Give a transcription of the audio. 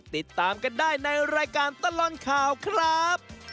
ติดตามกันได้ในรายการตลอดข่าวครับ